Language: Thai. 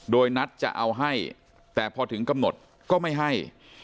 โดยนัดจะเอาให้แต่พอถึงกำหนดก็ไม่ให้